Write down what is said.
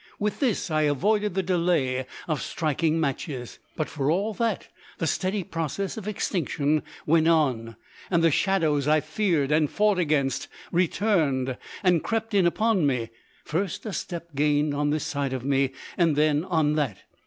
With this I avoided the delay of striking matches; but for all that the steady process of extinction went on, and the shadows I feared and fought against returned, and crept in upon me, first a step gained on this side of me and then on that.